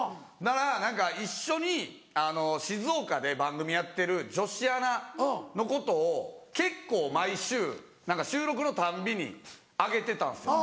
何か一緒に静岡で番組やってる女子アナのことを結構毎週何か収録のたんびに上げてたんですよ。